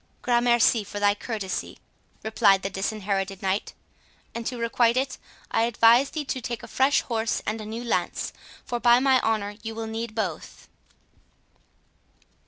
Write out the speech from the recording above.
"Gramercy for thy courtesy," replied the Disinherited Knight, "and to requite it, I advise thee to take a fresh horse and a new lance, for by my honour you will need both."